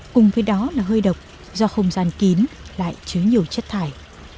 cùng với đó là hơi độc do không gian kín lại chứa nhiều chất thải